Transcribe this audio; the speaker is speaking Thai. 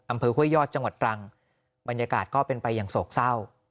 ห้วยยอดจังหวัดตรังบรรยากาศก็เป็นไปอย่างโศกเศร้า